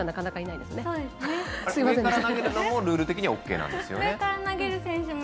上から投げるのもルール的にはＯＫですね。